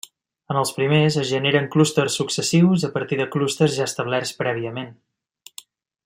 En els primers, es generen clústers successius a partir de clústers ja establerts prèviament.